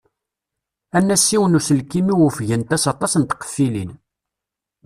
Anasiw n uselkim-iw ufgent-as aṭṭas n tqeffilin.